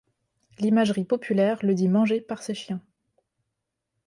L'imagerie populaire le dit mangé par ses chiens.